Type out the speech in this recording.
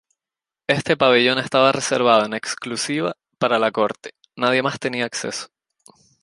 Este pabellón estaba reservado en exclusiva para la Corte, nadie más tenía acceso.